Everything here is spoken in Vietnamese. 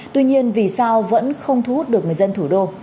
tuy nhiên vì sao vẫn không thu hút được người dân thủ đô